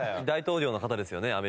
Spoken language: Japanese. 大統領の方ですよね